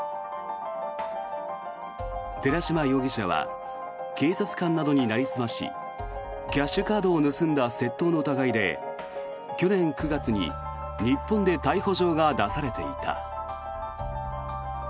寺島容疑者は警察官などになりすましキャッシュカードを盗んだ窃盗の疑いで去年９月に日本で逮捕状が出されていた。